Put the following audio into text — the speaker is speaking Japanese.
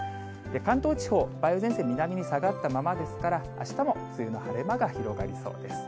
関東地方、梅雨前線、南に下がったままですから、あしたも梅雨の晴れ間が広がりそうです。